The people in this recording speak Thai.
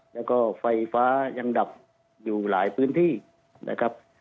แล้วก็ไฟฟ้ายังดับอยู่หลายพื้นที่นะครับ